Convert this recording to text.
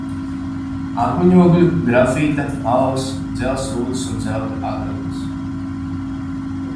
Akmeņogļu, grafīta, alvas, dzelzs rūdas un zelta atradnes.